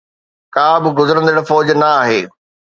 ڪا به گذرندڙ فوج نه آهي.